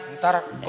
ntar keluar lagi